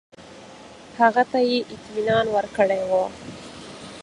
هغه ته یې اطمینان ورکړی وو.